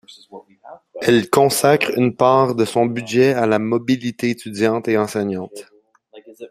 Elle consacre une part de son budget à la mobilité étudiante et enseignante.